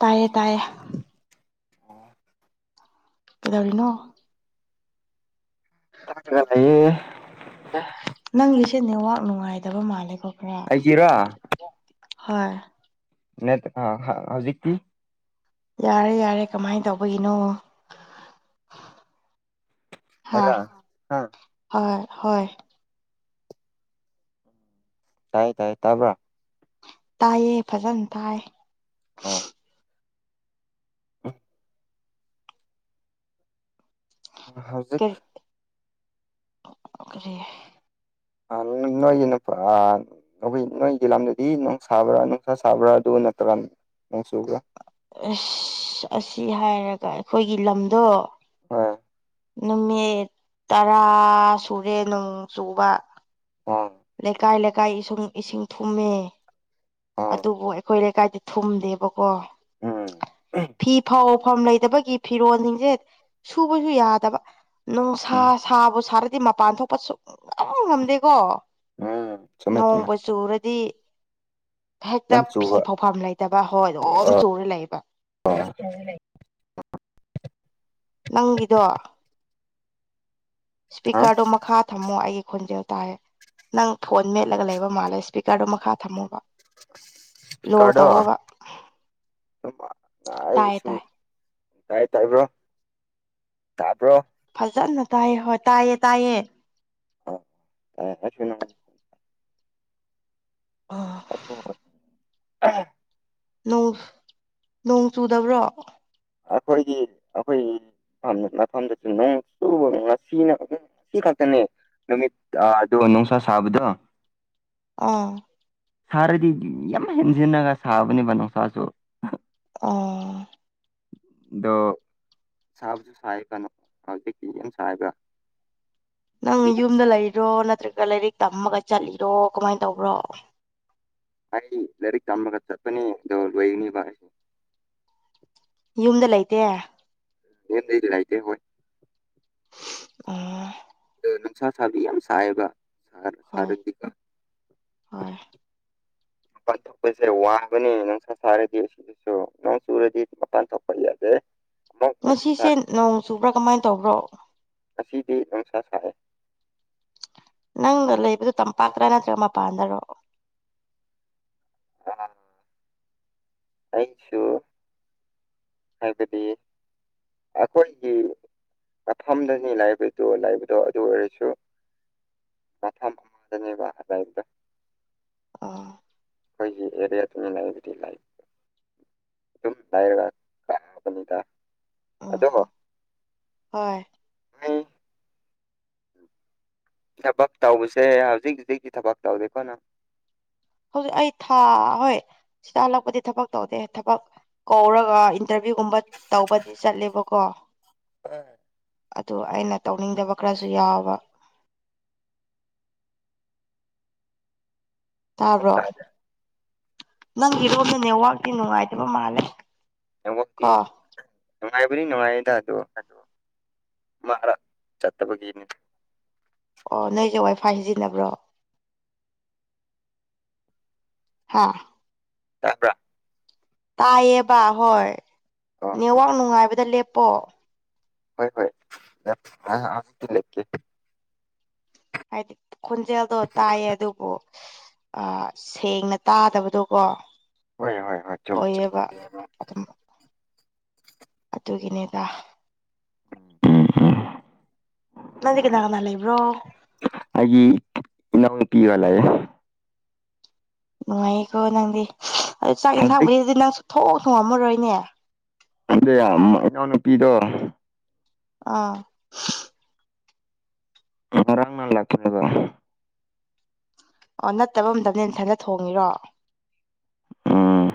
ꯇꯥꯏꯌꯦ ꯇꯥꯏꯌꯦ ꯑꯣ ꯀꯩꯗꯧꯔꯤꯅꯣ [unintelligible] ꯂꯩꯌꯦ ꯅꯪꯒꯤꯁꯦ ꯅꯦꯋꯥꯛ ꯅꯨꯡꯉꯥꯏꯗꯕ ꯃꯥꯜꯂꯦꯀꯣ ꯈꯔꯥ ꯑꯩꯒꯤꯔꯥ ꯍꯣꯏ ꯅꯦꯠ ꯑ ꯍ ꯍꯧꯖꯤꯛꯇꯤ ꯌꯥꯔꯦ ꯌꯥꯔꯦ ꯀꯃꯥꯏꯅ ꯇꯧꯕꯒꯤꯅꯣ ꯍꯥ ꯑꯩꯔꫭ ꯍꯥ ꯍꯣꯏ ꯍꯣꯏ ꯇꯥꯏꯌꯦ ꯇꯥꯏꯌꯦ ꯇꯥꯕ꯭ꯔꯥ ꯇꯥꯏꯌꯦ ꯐꯖꯅ ꯇꯥꯏ ꯑꯣ [inaudible] ꯑ ꯍꯥꯎ [unintelligible] ꯀꯔꯤ [unintelligible] ꯀꯔꯤ [unintelligible] ꯅꫭꯏꯒꯤ ꯅꯨꯄꯥ ꯅꯥꯎꯕꯤꯏ ꯅꯣꯏꯒꯤ ꯂꯝꯗꯨꯗꯤ ꯅꯨꯡ ꯁꯥꯕ꯭ꯔꯥ ꯅꯨꯡꯁꯥ ꯁꯥꯕ꯭ꯔꯥ ꯑꯗꯨ ꯅꯠꯇ꯭ꯔꯒ ꯅꯣꯡ ꯆꯨꯕ꯭ꯔꯥ ꯑꯁ ꯑꯁꯤ ꯍꯥꯏꯔꯒ ꯑꯩꯈꯣꯏꯒꯤ ꯂꯝꯗꯣ ꯑꯥ ꯅꯨꯃꯤꯠ ꯇꯔꯥ ꯁꯨꯔꯦ ꯅꯣꯡ ꯆꯨꯕ ꯑꯥ ꯂꯩꯀꯥꯏ ꯂꯩꯀꯥꯏ ꯏꯁꯨꯡ ꯏꯁꯤꯡ ꯊꯨꯝꯃꯦ ꯑꯥ ꯑꯗꯨꯕꯨ ꯑꯩꯈꯣꯏ ꯂꯩꯀꯥꯏꯗꯤ ꯊꯨꯝꯗꯦꯕ ꯑꯣ ꯎꯝ ꯐꯤ ꯐꯧꯐꯝ ꯂꯩꯇꯕꯒꯤ ꯐꯤꯔꯣꯜꯁꯤꯡꯁꯦ ꯁꯨꯕꯁꯨ ꯌꯥꯗꯕ ꯅꯨꯡꯁꯥ ꯎꯝ ꯁꯥꯕꯨ ꯁꯥꯔꯗꯤ ꯃꯄꯥꯟ ꯊꯣꯛꯄ ꯁꯨꯛꯉꯝ ꯉꯝꯗꯦꯀꯣ ꯎꯝ ꯆꯨꯝꯃꯦ ꯆꯨꯝꯃꯦ ꯅꯣꯡꯕꯨ ꯆꯨꯔꯗꯤ ꯍꯦꯛꯇ ꯌꯥꯝ ꯆꯨꯕ ꯐꯤ ꯐꯧꯐꯝ ꯂꯩꯇꯕ ꯍꯣꯏ ꯑꯗꯨꯝ ꯆꯨꯔ ꯂꯩꯕ [inaudible] ꯅꯪꯒꯤꯗꯣ ꯑ ꯏꯁꯄꯤꯀꯔꯗꯨ ꯃꯈꯥ ꯊꯝꯃꯣ ꯑꯩꯒꯤ ꯈꯣꯟꯖꯦꯜ ꯇꯥꯔꯦ ꯅꯪ ꯐꯣꯟ ꯃꯦꯠꯂꯒ ꯂꯩꯕ ꯃꯥꯜꯂꯦ ꯁꯄꯤꯀꯔꯗꯣ ꯃꯈꯥ ꯊꯝꯃꯣꯕ ꯂꯣ ꯀꯔꯗꯣ ꯇꯧꯋꯣꯕ ꯇꯥꯏꯌꯦ ꯑꯩꯁꯨ ꯇꯥꯏ ꯇꯥꯏ ꯇꯥꯏꯕ꯭ꯔꯣ ꯇꯥꯕ꯭ꯔꯣ ꯐꯖꯅ ꯇꯥꯏꯌꯦ ꯍꯣꯏ ꯇꯥꯏꯌꯦ ꯇꯥꯏꯌꯦ [unintelligible] ꯑ ꯑꯗꯨ ꯑꯣꯏ ꯅꯣꯡꯁ ꯅꯣꯡ ꯆꯨꯗꯕ꯭ꯔꯣ ꯑꯈꯣꯏꯒꯤ ꯑꯈꯣꯏ ꯃꯐꯝꯗꯁꯨ ꯅꯣꯡ ꯆꯨꯕꯅꯦ ꯉꯁꯤꯅ ꯉꯁꯤ ꯈꯛꯇꯅꯦ ꯅꯨꯃꯤꯠ ꯑ ꯑꯗꯨ ꯅꯨꯡꯁꯥ ꯁꯥꯕꯗꯣ ꯑꯥ ꯁꯥꯔꯗꯤ ꯌꯥꯝ ꯍꯦꯟꯖꯤꯟꯅꯒ ꯁꯥꯕꯅꯦꯕ ꯅꯨꯡꯁꯥꯁꯨ ꯑꯣ ꯗꯣ ꯁꯥꯕꯁꯨ ꯁꯥꯏ ꯀꯟꯅꯣ ꯍꯧꯖꯤꯛ ꯇꯤ ꯌꯥꯝ ꯁꯥꯏꯗ ꯅꯪ ꯌꯨꯝꯗ ꯂꯩꯕꯔꯣ ꯅꯠꯇ꯭ꯔꯒ ꯂꯥꯏꯔꯤꯛ ꯇꯝꯃꯒ ꯆꯠꯂꯤꯔꯣ ꯀꯃꯥꯏ ꯇꯧꯕ꯭ꯔꯣ ꯑꯩ ꯍꯤ ꯂꯥꯏꯔꯤꯛ ꯇꯝꯃꯒ ꯆꯠꯄꯅꯦ ꯑꯗꯣ ꯂꯩꯅꯤꯕ ꯌꯨꯝꯗ ꯂꯩꯇꯦ ꯌꯦꯟꯇꯩ ꯂꯥꯏꯗꯦ ꯍꯣꯏ ꯑꯣ ꯑꯗꯨ ꯅꯨꯡꯁꯥ ꯁꯥꯕꯗꯤ ꯌꯥꯝ ꯁꯥꯏꯕ ꯁꯥ ꯍꯣꯏ ꯁꯥꯔꯗꯤꯀ ꯍꯣꯏ ꯄꯥꯊꯨꯞꯁꯦ ꯋꯥꯕꯅꯤ ꯅꯪꯁ ꯁꯔꯗꯤ ꯁꯨ ꯅꯣꯡ ꯆꯨꯔꯗꯤ ꯃꯄꯥꯟ ꯊꯣꯛꯄ ꯌꯥꯗꯦ ꯑꯃꯨꯛ ꯅꯨꯡꯁꯥ ꯁꯥ ꯉꯁꯤꯁꯦ ꯅꯣꯡ ꯆꯨꯕ꯭ꯔꯥ ꯀꯃꯥꯏ ꯇꯧꯕ꯭ꯔꯣ ꯑꯁꯤꯗꯤ ꯅꯨꯡꯁꯥ ꯁꯥꯔꯦ ꯅꯪꯅ ꯂꯩꯕꯗꯣ ꯇꯝꯄꯥꯛꯇꯔ ꯅꯠꯇ꯭ꯔꯒ ꯃꯄꯥꯟꯗꯔꯣ ꯑꯩ ꯁꯨ ꯍꯥꯏꯕꯗꯤ ꯑꯈꯣꯏꯒꯤ ꯃꯐꯝꯗꯅꯤ ꯂꯥꯏꯕꯗꯣ ꯂꯥꯏꯕꯗꯣ ꯑꯗꯨ ꯑꯣꯏꯔꯁꯨ ꯃꯊꯛ ꯗꯅꯦꯕ ꯂꯩꯗꯣ ꯑꯥ ꯑꯩꯈꯣꯏꯒꯤ ꯑꯦꯔꯤꯌꯥ ꯇꯨꯃꯤꯟꯅꯗꯨꯗꯤ ꯂꯩ ꯑꯗꯨꯝ ꯂꯩꯔꯒ ꯑꯗꯨꯗ ꯎꯝ ꯍꯣꯏ ꯎꯝ ꯊꯕꯛ ꯇꯧꯕꯁꯦ ꯍꯧꯖꯤꯛ ꯍꯧꯖꯤꯛꯇꯤ ꯊꯕꯛ ꯇꯧꯗꯦꯀꯣꯅ ꯍꯧꯖꯤꯛ ꯑꯩ ꯊꯥ ꯍꯣꯏ ꯁꯤꯗ ꯍꯜꯂꯛꯄꯗꯤ ꯊꯕꯛ ꯇꯧꯗꯦ ꯊꯕꯛ ꯀꯧꯔꯒ ꯏꯟꯇꯔꯚꯤꯌꯨꯒꯨꯝꯕ ꯇꯧꯕꯗꯤ ꯆꯠꯂꯦꯕꯀꯣ ꯑꯗꯨ ꯑꯩꯅ ꯇꯧꯅꯤꯡꯗꯕ ꯈꯔꯁꯨ ꯌꯥꯎꯕ ꯑꯃꯨꯛ ꯇꯥꯕ꯭ꯔꯣ ꯇꯥꯗꯦ ꯅꯪꯒꯤꯔꯣꯝꯗ ꯅꯦꯠꯋꯥꯛꯇꯤ ꯅꯨꯡꯉꯥꯏꯇꯕ ꯃꯥꯜꯂꯦ ꯅꯦꯋꯛꯇꯤ ꯀꯣ ꯅꯨꯡꯉꯥꯏꯕꯅꯤ ꯅꯨꯡꯉꯥꯏꯌꯦꯗ ꯑꯗꯣ ꯑꯗꯣ ꯃꯥꯔ ꯆꯠꯇꯕꯒꯤꯅꯤ ꯑꯣ ꯅꯣꯏꯁꯦ ꯋꯥꯏꯐꯥꯏ ꯁꯤꯖꯤꯟꯅꯕ꯭ꯔꯣ ꯍꯥꯥ ꯇꯕ꯭ꯔꯥ ꯇꯥꯏꯌꯦꯕ ꯍꯣꯏ ꯑꯣ ꯅꯦꯋꯥꯛ ꯅꯨꯡꯉꯥꯏꯕꯗ ꯂꯦꯞꯄꯣ ꯍꯣꯏ ꯍꯣꯏ [unintelligible] ꯂꯦꯞꯀꯦ ꯍꯥꯏꯗꯤ ꯈꯣꯟꯖꯦꯜꯗꯣ ꯇꯥꯏꯌꯦ ꯑꯗꯨꯕꯨ ꯑꯥ ꯁꯦꯡꯅ ꯇꯥꯗꯕꯗꯣꯀꯣ ꯍꯣꯏ ꯍꯣꯏ ꯍꯣꯏ ꯆꯨꯝꯃꯦ ꯆꯨꯝꯃꯦ ꯑꯣꯏꯌꯦꯕ ꯑꯗꯨꯝ ꯑꯗꯨꯒꯤꯅꯦꯗ ꯎꯝ ꯎꯝ ꯅꯪꯗꯤ ꯀꯅꯥ ꯀꯅꯥ ꯂꯩꯕ꯭ꯔꯣ ꯑꯩꯒꯤ ꯏꯅꯥꯎ ꯅꯨꯄꯤꯒ ꯂꯩꯑꯦ ꯅꯨꯡꯉꯥꯏꯌꯦꯀꯣ ꯅꯪꯗꯤ ꯑꯗꯨ ꯆꯥꯛ ꯌꯦꯟꯁꯥꯡꯕꯨꯗꯤ ꯅꯪ ꯁꯨ ꯊꯣꯡ ꯊꯣꯡꯉꯝꯃꯔꯣꯏꯅꯦ [unintelligible] ꯏꯅꯥꯎ ꯅꯨꯨꯄꯤꯗꯣ ꯑꯥ ꯉꯔꯥꯡꯅ ꯂꯥꯛꯄꯅꯦꯕ ꯑꯣ ꯅꯠꯇꯕ ꯑꯇꯝꯗꯤ ꯅꯊꯟꯗ ꯊꯣꯡꯉꯤꯔꯣ ꯎꯝ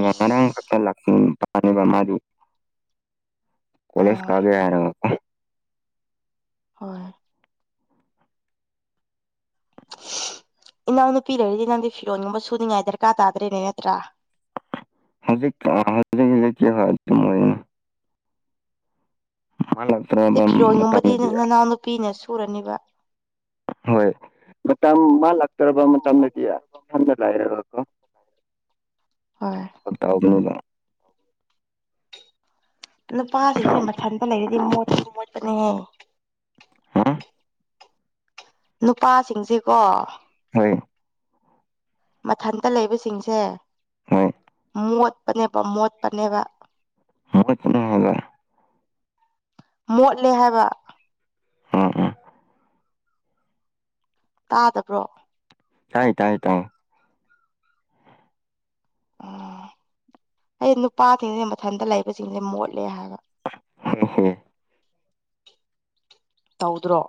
ꯑꯦꯁ [unintelligible] ꯃꯥꯗꯤ ꯀꯣꯂꯦꯁ ꯑꯥ ꯀꯥꯒꯦ ꯍꯥꯏꯔ ꯍꯣꯏ ꯏꯅꯥꯎ ꯅꯨꯄꯤ ꯂꯩꯔꯗꯤ ꯅꯪꯗꯤ ꯐꯤꯔꯣꯟꯒꯨꯝꯕ ꯁꯨꯅꯤꯡꯉꯥꯏ ꯗꯔꯀꯥꯔ ꯇꯥꯗ꯭ꯔꯦꯅꯦ ꯅꯠꯇ꯭ꯔꯥ ꯍꯧꯖꯤꯛ [unintelligible] ꯑꯗꯨꯝ ꯑꯣꯢꯌꯦ ꯍꯂꯣ [unintelligible] ꯐꯤꯔꯣꯟꯒꯨꯝꯕꯗꯤ ꯅꯅꯥꯎ ꯅꯨꯄꯤꯅ ꯁꯨꯔꯅꯤꯕ ꯍꯣꯏ ꯃꯇꯝ ꯃꯥ ꯂꯥꯛꯇ꯭ꯔꯕ ꯃꯇꯝꯗꯗꯤ ꯏꯁꯝꯗ ꯂꯩꯔꯔꯣꯢꯀꯣ ꯍꯣꯏ ꯄꯛꯇꯥꯎꯅꯤꯅꯦ [unintelligible] ꯅꯨꯄꯥꯁꯤꯡꯁꯦ ꯃꯊꯟꯇ ꯂꯩꯔꯗꯤ ꯃꯣꯠꯁꯨ ꯃꯣꯠꯄꯅꯦꯍꯦ ꯍꯝ ꯅꯨꯄꯥꯁꯤꯡꯁꯤꯀꯣ ꯍꯣꯏ ꯃꯊꯟꯇ ꯂꯩꯕꯁꯤꯡꯁꯦ ꯍꯣꯏ ꯃꯣꯠꯄꯅꯦꯕ ꯃꯣꯠꯄꯅꯦꯕ [inaudible] ꯃꯣꯠꯂꯦ ꯍꯥꯏꯕ ꯎꯝ ꯎꯝ ꯇꯥꯗꯕ꯭ꯔꯣ ꯇꯥꯏ ꯇꯥꯏ ꯇꯥꯏ ꯎꯝ ꯑꯩ ꯅꯨꯄꯥꯁꯤꯡꯁꯦ ꯃꯊꯟꯇ ꯂꯩꯕꯁꯤꯡꯁꯦ ꯃꯣꯠꯂꯦ ꯍꯥꯏꯕ ꯍꯦ ꯍꯦ [inaudible] ꯇꯧꯗ꯭ꯔꯣ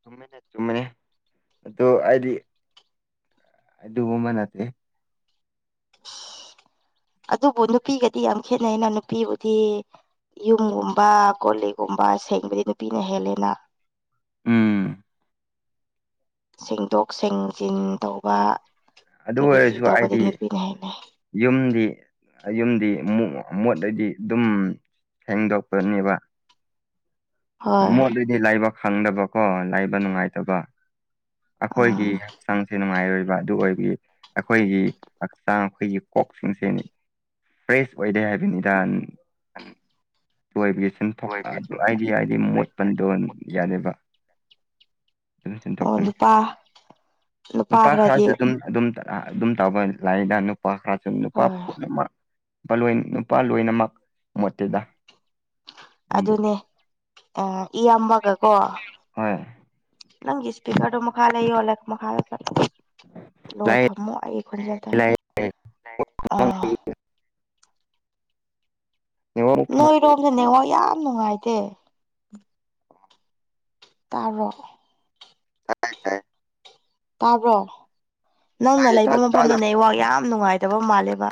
ꯆꯨꯝꯃꯤꯅꯦ ꯆꯨꯝꯃꯤꯅꯦ ꯑꯗꯨ ꯑꯩꯗꯤ ꯑꯗꯨꯒꯨꯝꯕ ꯅꯠꯇꯦ [inaudible] ꯑꯗꯨꯕꯨ ꯅꯨꯄꯤꯒꯗꯤ ꯌꯥꯝ ꯈꯦꯠꯅꯩꯩꯅ ꯅꯨꯄꯤꯕꯨꯗꯤ ꯌꯨꯝꯒꯨꯝꯕ ꯀꯣꯂꯤꯒꯨꯝꯕ ꯁꯦꯡꯕꯗꯤ ꯅꯨꯄꯤꯅ ꯍꯦꯜꯂꯦꯅ ꯎꯝ ꯁꯦꯡꯗꯣꯛ ꯁꯦꯡꯖꯤꯟ ꯇꯧꯕ ꯑꯗꯨ ꯀꯔꯤ ꯀꯔꯤ ꯑꯣꯏꯔꯁꯨ ꯇꯧꯕꯗꯤ ꯍꯥꯏꯗꯤ ꯅꯨꯄꯤꯅ ꯍꯦꯜꯂꯦ ꯌꯨꯝꯗꯤ ꯌꯨꯝꯗꯤ ꯃꯣꯠꯂꯗꯤ ꯑꯗꯨꯝ ꯍꯦꯡꯗꯣꯛꯄꯅꯦꯕ ꯍꯣꯏ ꯃꯣꯠ ꯑꯗꯨꯗꯤ ꯂꯥꯏꯕ ꯈꯪꯗꯕꯀꯣ ꯂꯥꯏꯕ ꯅꯨꯡꯉꯥꯏꯇꯕ ꯑꯩꯈꯣꯏꯒꯤ ꯑꯥ ꯍꯛꯆꯥꯡꯁꯦ ꯅꯨꯡꯉꯥꯏꯔꯣꯏꯕ ꯑꯗꯨ ꯑꯣꯏꯕ ꯑꯩꯈꯣꯏꯒꯤ ꯍꯛꯆꯥꯡ ꯑꯩꯈꯣꯏꯒꯤ ꯀꯣꯛꯁꯤꯡꯁꯤꯦꯅꯤ ꯐ꯭ꯔꯦꯁ ꯑꯣꯏꯗꯦ ꯍꯥꯏꯕꯅꯤꯗ ꯂꯣꯏꯕꯒꯤ ꯁꯟꯊꯣꯛ ꯍꯥꯏꯗꯤ ꯍꯥꯏꯗꯤ ꯃꯣꯠꯄꯟꯗ ꯌꯥꯗꯦꯕ [unintelligible] ꯑꯣ ꯅꯨꯨꯄꯥ ꯅꯨꯨꯄꯥ ꯅꯨꯄꯥ ꯈꯔꯗꯤ ꯈꯔꯁꯨ ꯑꯗꯨꯝ ꯑꯗꯨꯝ ꯑꯗꯨꯝ ꯇꯧꯕ ꯂꯥꯏꯔꯤꯗ ꯅꯨꯄꯥ ꯈꯔꯁꯨꯨꯝ ꯅꯨꯄꯥ ꯍꯣꯏ ꯄꯨꯝꯅꯃꯛ ꯅꯨꯄꯥꯣꯏ ꯅꯨꯄꯥ ꯂꯣꯏꯅꯃꯛ ꯃꯣꯠꯇꯨꯗ ꯑꯗꯨꯅꯦ ꯑ ꯏꯌꯥꯝꯕꯒꯀꯣ ꯍꯣꯏ ꯅꯪ ꯏꯁꯄꯤꯀꯔꯗꯣ ꯃꯥꯈꯥꯂꯩꯑꯣ ꯃꯥꯂꯦ ꯂꯣ ꯂꯥꯏ ꯊꯝꯃꯣ ꯑꯩ ꯈꯨꯟꯖꯗ ꯅꯦꯠꯋꯥꯛ ꯑꯝ ꯑꯃꯨꯛ ꯐꯃꯟꯕꯒꯤ ꯅꯣꯏꯔꯣꯝꯗꯣ ꯅꯦꯋꯥꯛ ꯌꯥꯝ ꯅꯨꯡꯉꯥꯏꯇꯦ ꯇꯔꯣ ꯇꯥꯏ ꯇꯥꯏ ꯇꯥꯕ꯭ꯔꯣ ꯅꯪꯅ ꯇꯥꯏꯌꯦ ꯇꯥ ꯂꯩꯕ ꯇꯥꯗꯕ꯭ꯔꯥ ꯃꯐꯝꯗꯨꯅꯦ ꯑꯩ ꯋꯥꯥꯛ ꯌꯥꯝ ꯅꯨꯡꯉꯥꯏꯇꯕ ꯃꯥꯜꯂꯦꯕ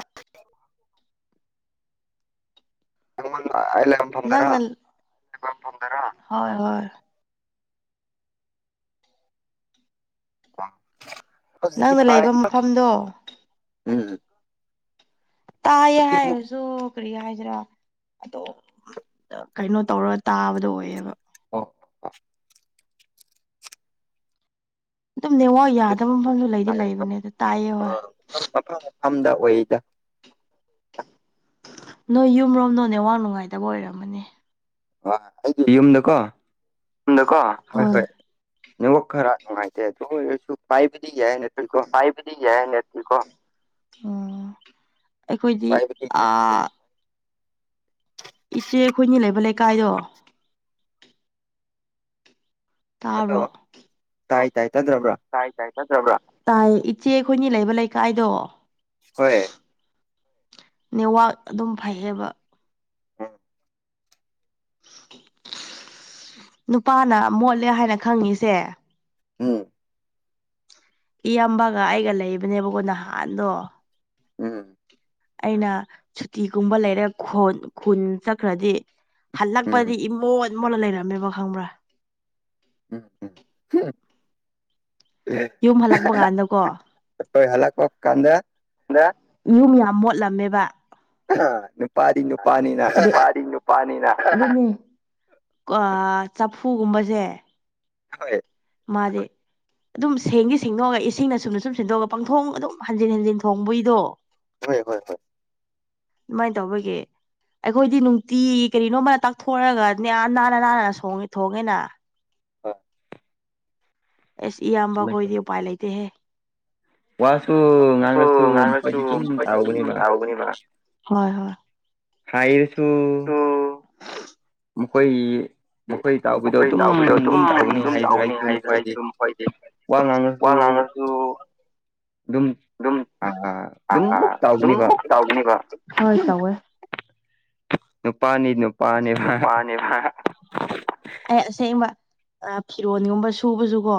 ꯀꯩ ꯑꯕ ꯅꯪ ꯍꯣꯏ ꯍꯣꯏ ꯅꯪꯅ ꯂꯩꯕ ꯃꯐꯝꯗꯣ ꯎꯝ ꯇꯌꯦ ꯍꯧꯖꯤꯛꯇꯤ ꯑꯃꯨꯛ ꯍꯥꯏꯁꯨꯣ ꯀꯔꯤ ꯍꯥꯏꯁꯤꯔꯥ ꯑꯇꯣꯞ ꯀꯩꯅꯣ ꯇꯧꯔ ꯇꯥꯕꯗꯣ ꯑꯣꯏꯌꯦꯕ ꯑꯣ ꯑꯗꯨꯝ ꯅꯤꯋꯥ ꯌꯥꯗꯕ ꯃꯐꯝꯁꯨ ꯂꯩꯗꯤ ꯂꯩꯕꯅꯦ ꯑꯗꯨ ꯇꯥꯏꯌꯦ ꯑ ꯍꯣꯏ ꯃ ꯃꯐꯝ ꯃꯐꯝꯗ ꯑꯣꯏꯔꯤꯗ ꯅꯣꯏ ꯌꯨꯝꯔꯣꯝꯗꯣ ꯅꯦꯋꯥꯛ ꯅꯨꯡꯉꯥꯏꯇꯕ ꯑꯣꯏꯔꯝꯃꯅꯤ ꯋꯥ ꯑꯩꯗꯤ ꯌꯨꯝꯗꯀꯣ ꯍꯅꯀꯣ ꯍꯣꯏ ꯋꯥ ꯈꯔ ꯅꯨꯡꯉꯥꯏꯇꯦ ꯇꯁꯨ ꯄꯥꯏꯕꯗꯤ ꯌꯥꯏꯍꯅꯠ ꯁꯥꯏꯕꯤꯗꯤ ꯌꯥꯌ‌ꯦ ꯅ‌ꯦ ꯑꯣ ꯑꯩꯈꯣꯏꯗꯤ ꯄꯥꯏꯕꯗꯤ ꯌꯥꯏꯀꯣ ꯑꯑ ꯏꯆꯦ ꯑꯈꯣꯏꯅꯤ ꯂꯩꯕ ꯂꯩꯀꯥꯏꯗꯣ ꯇꯥꯕ꯭ꯔꯣ ꯑꯇꯧꯋꯥ ꯑꯣ ꯇꯥꯏ ꯇꯥꯏ ꯇꯟꯗ꯭ꯔꯕ꯭ꯔꯥ ꯇꯥꯏ ꯇꯥꯏ ꯆꯠꯇꯔꯥꯕ ꯇꯥꯏ ꯏꯆꯦ ꯑꯩꯈꯣꯏꯅꯤ ꯂꯩꯕ ꯂꯩꯀꯥꯏꯗꯣ ꯍꯣꯏꯑꯦ ꯅꯦꯋꯥꯛ ꯑꯗꯨꯝ ꯐꯩꯌꯦꯕ ꯎꯝ ꯅꯨꯄꯥꯅ ꯃꯣꯠꯂꯦ ꯍꯥꯏꯅ ꯈꯪꯉꯤꯁꯦ ꯎꯝ ꯏꯌꯥꯝꯕꯒ ꯑꯩꯒ ꯂꯩꯕꯅꯦꯕꯒꯣ ꯅꯍꯥꯟꯗꯣ ꯎꯝ ꯑꯩꯅ ꯁꯨꯇꯤꯒꯨꯝꯕ ꯂꯩꯔ ꯈꯣꯟ ꯈꯨꯟ ꯆꯠꯈ꯭ꯔꯗꯤ ꯎꯝ ꯍꯜꯂꯛꯄꯗꯤ ꯏꯃꯣꯠ ꯃꯣꯠꯂ ꯂꯩꯔꯝꯃꯦꯕ ꯈꯪꯕ꯭ꯔꯥ ꯎꯝ ꯎꯝ ꯍꯝ ꯌꯨꯝ ꯍꯜꯂꯛꯄ ꯀꯥꯟꯗꯀꯣ ꯑꯈꯣꯏ ꯍꯂꯛ ꯄ ꯀꯥꯟꯗ ꯌꯨꯝ ꯌꯥꯝ ꯃꯣꯠꯂꯝꯃꯦꯕꯥ [unintelligible] ꯅꯨꯄꯥꯅꯤꯅ [inaudible] ꯄꯅꯤꯅ ꯑ ꯆꯐꯨꯒꯨꯕꯁꯦ ꯍ [inaudible] ꯃꯥꯗꯤ ꯑꯗꯨꯝ ꯁꯦꯡꯉꯤ ꯁꯦꯡꯗꯣꯛꯑꯒ ꯏꯁꯤꯡꯅ ꯁꯨꯝꯅ ꯁꯨꯝ ꯁꯤꯟꯗꯣꯛꯑꯒ ꯄꯪꯊꯣꯡ ꯑꯗꯨꯝ ꯍꯟꯖꯤꯟ ꯍꯟꯖꯤꯟ ꯊꯣꯡꯕꯩꯏꯗꯣ ꯍ‌ꯣꯏ ꯍꯣꯏ ꯍꯣꯏ ꯑꯃꯥꯏꯅ ꯇꯧꯕꯒꯤ ꯑꯩꯈꯣꯏꯗꯤ ꯅꯨꯡꯇꯤꯏ ꯀꯔꯤꯅꯣꯃ ꯇꯥꯛꯊꯣꯛꯔꯒ ꯅꯦꯑ ꯅꯥꯟꯅ ꯅꯥꯟꯅ ꯁꯣꯡꯉꯦ ꯊꯣꯡꯉꯦꯅ [unintelligible] ꯑꯁ ꯏꯌꯥꯝꯕ ꯆꯨꯝꯃꯦ ꯈꯣꯏꯗꯤ ꯎꯄꯥꯏ ꯂꯩꯇꯦꯍꯦ ꯋꯥꯁꯨ [unintelligible] ꯉꯥꯡꯂꯁꯨ ꯉꯥꯡꯅꯁꯨ ꯃꯈꯣꯏꯗꯤ ꯑꯗꯨꯝ ꯇꯥꯎꯒꯅꯦꯕ ꯇꯥꯎꯒꯅꯦꯕ ꯍꯣꯏ ꯍꯣꯏ ꯍꯥꯏꯔꯁꯨ ꯃꯈꯣꯏ [inaudible] ꯃꯈꯣꯏ ꯇꯥꯎꯕꯗꯣ ꯃꯈꯣꯏ ꯑꯗꯨꯝ ꯇꯥꯎꯕꯗꯣ ꯑꯗꯨꯝ ꯇꯥꯎꯒꯅꯤ ꯑꯗꯨꯝ ꯍꯥꯏꯗꯔꯥ ꯇꯥꯎꯒꯅꯤ ꯍꯥꯏꯁꯨꯝ ꯍꯣꯏꯗꯤ ꯋꯥ ꯉꯥꯡꯉꯁꯨ ꯀꯅꯥꯅꯁꯨ ꯑꯗꯨꯝ ꯑꯗꯨꯝꯃꯨꯛ ꯑꯗꯨꯝ ꯇꯥꯎꯒꯅꯦꯕ ꯇꯥꯎꯒꯅꯦꯕ ꯍ‌ꯣꯏ ꯇꯧꯋ‌ꯦ ꯅꯨꯄꯥꯅꯤ ꯅꯨꯞ ꯅꯨꯄꯥꯅ‌ꯦ ꯕ ꯑꯦ ꯑꯁꯦꯡꯕ ꯐꯤꯔꯣꯟꯒꯨꯝꯕ ꯁꯨꯕꯁꯨꯀꯣ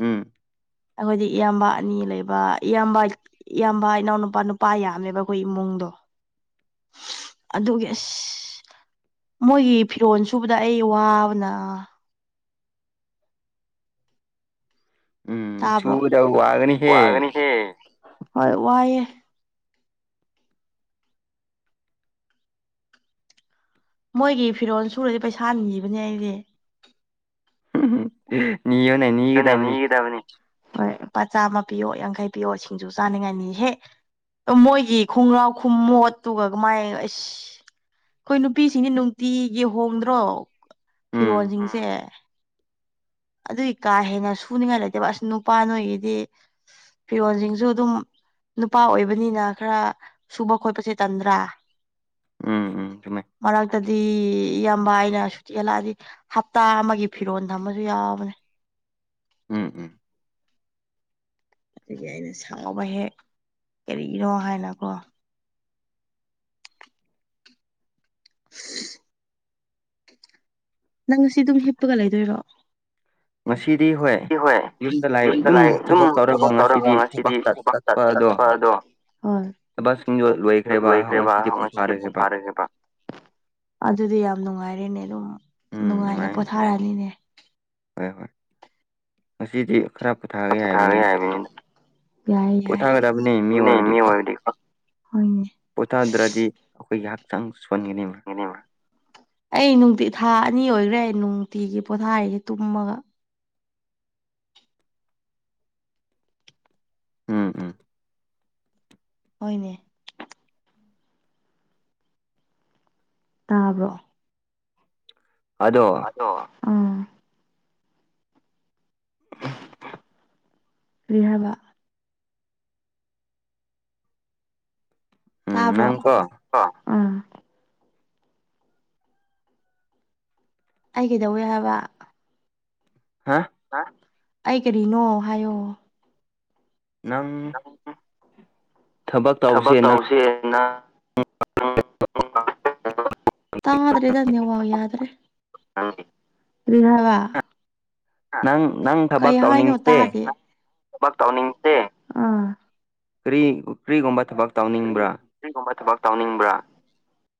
ꯎꯝ ꯑꯩꯈꯣꯏꯗꯤ ꯏꯌꯥꯝꯕ ꯑꯅꯤ ꯂꯩꯕ ꯏꯌꯥꯝꯕ ꯏꯌꯥꯝꯕ ꯏꯅꯥꯎ ꯅꯨꯄꯥ ꯅꯨꯄꯥ ꯌꯥꯝꯃꯦꯕ ꯑꯩꯈꯣꯏ ꯏꯃꯨꯡꯗꯣ ꯑꯗꯨꯒꯤ ꯑꯁ ꯃꯣꯏꯒꯤ ꯐꯤꯔꯣꯟ ꯁꯨꯕꯗ ꯑꯩ ꯋꯥꯕꯅ ꯎꯝ ꯇꯥꯕ꯭ꯔꯣ ꯁꯨꯒꯗꯕ ꯋꯥꯒꯅꯤꯍꯦ ꯍꯣꯏ ꯋꯥꯏꯌ‌ꯦ ꯃꯣꯏꯒꯤ ꯐꯤꯔꯣꯜ ꯁꯨꯔꯗꯤ ꯄꯩꯁꯥ ꯅꯤꯕꯅꯦ ꯑꯩꯗꯤ ꯎꯝ ꯍꯝ [inaudible] ꯃꯤꯑ‌ꯣꯟꯅꯩꯅꯤ ꯈꯪꯗ‌ꯦ ꯅꯤꯒꯗꯝꯅꯤ ꯍꯣꯏ ꯂꯨꯄꯥ ꯆꯥꯝꯃ ꯄꯤꯌꯣ ꯌꯥꯡꯈꯩ ꯄꯤꯌꯣ ꯁꯤꯡꯖꯨ ꯆꯥꯅꯤꯡꯉꯥꯏꯅꯤ ꯍꯦ ꯃꯣꯏꯒꯤ ꯈꯨꯡꯒ꯭ꯔꯥꯎ ꯈꯨꯃꯣꯠꯇꯨꯒ ꯀꯃꯥꯏꯅ ꯑꯁ ꯑꯩꯈꯣꯏ ꯅꯨꯄꯤꯁꯤꯡꯗꯤ ꯅꯨꯡꯇꯤꯒꯤ ꯍꯣꯡꯗ꯭ꯔꯣ ꯎꯝ ꯐꯤꯔꯣꯜꯁꯤꯡꯁꯦ ꯑꯗꯨꯏ ꯀꯥ ꯍꯦꯟꯅ ꯁꯨꯅꯤꯡꯉꯥꯏ ꯂꯩꯇꯦꯕ ꯑꯁ ꯅꯨꯄꯥ ꯅꯣꯏꯒꯤꯗꯤ ꯐꯤꯔꯣꯟꯖꯤꯡꯁꯨ ꯑꯗꯨꯝ ꯅꯨꯄꯥ ꯑꯣꯏꯕꯅꯤꯅ ꯈꯔ ꯁꯨꯕ ꯈꯣꯠꯄꯁꯤ ꯇꯟꯗ꯭ꯔꯥ ꯎꯝ ꯎꯝ ꯆꯨꯝꯃꯦ ꯃꯔꯛꯇꯗꯤ ꯏꯌꯥꯝꯕ ꯍꯥꯏꯅ ꯁꯨꯠ ꯌꯦꯠꯂꯑꯗꯤ ꯍꯞꯇꯥ ꯑꯃꯒꯤ ꯐꯤꯔꯣꯟ ꯊꯝꯃ ꯌꯥꯕꯅꯦ ꯎꯝ ꯎꯝ ꯑꯗꯒꯤ ꯑꯩꯅ ꯁꯥꯎꯕ ꯍꯦꯛ ꯀꯔꯤꯒꯤꯅꯣ ꯍꯥꯏꯅꯀꯣ [unintelligible] ꯅꯪ ꯉꯁꯤ ꯗꯨꯝ ꯍꯤꯞꯄꯒ ꯂꯩꯗꯣꯏꯔꯣ ꯉꯁꯤꯗꯤ ꯍꯣꯏ ꯌꯨꯝꯗ ꯂꯥꯏ ꯑꯗꯨꯝ ꯊꯕꯛ ꯇꯧꯔꯒ ꯉꯁꯤꯗꯤ ꯊꯕꯛ ꯆꯠꯄ ꯑꯗꯣ ꯊꯕꯛꯁꯤꯡꯗꯣ ꯂꯣꯏꯈ꯭ꯔꯦꯕ ꯉꯁꯤꯗꯤ ꯄꯣꯊꯥꯔꯈ꯭ꯔꯦꯕ ꯂꯣꯏꯈ꯭ꯔꯦꯕꯁꯤꯗꯤꯊꯔꯈ꯭ꯔꯦꯕ [inaudible] ꯑꯗꯨꯗꯤ ꯌꯥꯝ ꯅꯨꯡꯉꯥꯏꯔꯦꯅꯦ ꯑꯗꯨꯝ ꯎꯝ ꯅꯨꯡꯉꯥꯏꯅ ꯅꯨꯡꯉꯥꯏꯅꯤ ꯄꯣꯊꯥꯔꯅꯤꯅꯦ ꯍꯣꯏ ꯍꯣꯏ ꯉꯁꯤꯗꯤ ꯈꯔ ꯄꯊꯥꯔꯦ ꯄꯣꯊꯥꯕ ꯍꯥꯏꯕꯅꯤꯅ ꯌꯥꯏꯕꯅꯤꯅ ꯌꯥꯏ ꯌꯥꯏ ꯄꯣꯊꯥꯒꯗꯕꯅꯤ ꯃꯤ ꯑꯣꯏꯕꯗꯤꯀꯣ [unintelligible] ꯄꯣꯊꯥꯗ꯭ꯔꯗꯤ ꯑꯩꯈꯣꯏꯒꯤꯍꯥꯛꯆꯥꯡ ꯁꯣꯟꯒꯅꯤꯕ [inaudible] ꯑꯩ ꯅꯨꯡꯇꯤ ꯊꯥ ꯑꯅꯤ ꯑꯣꯏꯗ‌꯭ꯔꯦ ꯑꯩ ꯅꯨꯡꯇꯤꯒꯤ ꯄꯣꯊꯥꯔꯤꯅ‌ꯦ ꯇꯨꯝꯃꯒ ꯎꯝ ꯎꯝ ꯍꯣꯏꯅꯦ ꯇꯥꯕ꯭ꯔꯣ ꯑꯗꯣ ꯅꯣ ꯑꯝ ꯑꯝ ꯂꯤꯔ ꯍꯥꯏꯕ [inaudible] ꯎꯝ ꯇꯥꯕ꯭ꯔꯣ ꯅꯪ ꯀꯣ ꯑ ꯎꯝ ꯑꯩ ꯀꯩꯗꯧꯋ‌ꯦ ꯍꯥꯏꯕ ꯍꯥ ꯍꯥ ꯑꯩ ꯀꯔꯤꯅꯣ ꯍꯥꯏꯌꯣ ꯅꯪ ꯊꯕꯛ ꯇꯧꯁꯦ ꯅꯪ ꯇꯧꯁꯦꯅ [unintelligible] [unintelligible] ꯇꯥꯗ꯭ꯔꯦꯗ ꯅꯦꯋꯥꯛ ꯌꯥꯗ꯭ꯔꯦ ꯀ꯭ꯔꯔꯤ ꯍꯥꯏꯕ ꯍꯥ ꯅꯪ ꯅꯪ ꯊꯕꯛ ꯀꯩ ꯍꯥꯏꯅꯣ ꯇꯧꯅꯤꯡꯁꯦ ꯇꯥꯗꯦ ꯊꯕꯛ ꯇꯧꯅꯤꯡꯗꯦ ꯎꯝ ꯀꯔꯤ ꯀꯔꯤꯒꯨꯝꯕ ꯊꯕꯛ ꯇꯧꯅꯤꯡꯕ꯭ꯔꯥ ꯁꯤꯒꯨꯝꯕ ꯊꯕꯛ ꯇꯧꯅꯤꯡꯕ꯭ꯔꯥ